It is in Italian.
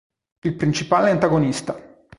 Il principale antagonista.